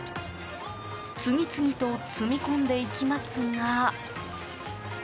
次々と積み込んでいきますが。